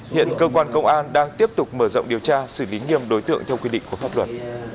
hiện cơ quan công an đang tiếp tục mở rộng điều tra xử lý nghiêm đối tượng theo quy định của pháp luật